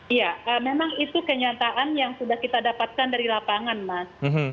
iya memang itu kenyataan yang sudah kita dapatkan dari lapangan mas